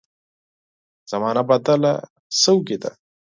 زمانه بدله شوې ده.